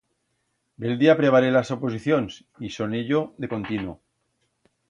Bel día aprebaré las oposicions, i soneyo de contino.